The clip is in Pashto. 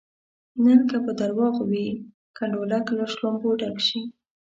نن که په درواغو وي کنډولک له شلومبو ډک شي.